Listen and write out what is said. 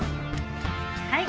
はい。